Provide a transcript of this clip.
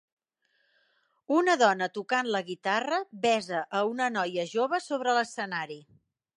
Una dona tocant la guitarra besa a una noia jove sobre l'escenari.